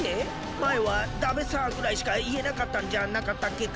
前は「だべさ」ぐらいしか言えなかったんじゃなかったっけか？